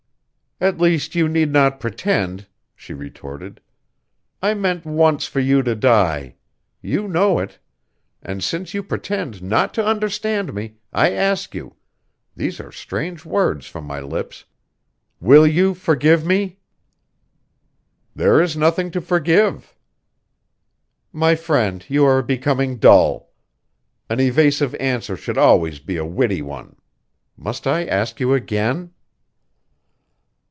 "At least, you need not pretend," she retorted. "I meant once for you to die. You know it. And since you pretend not to understand me, I ask you these are strange words from my lips will you forgive me?" "There is nothing to forgive." "My friend, you are becoming dull. An evasive answer should always be a witty one. Must I ask you again?"